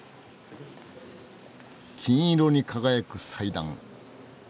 金色に輝く祭壇。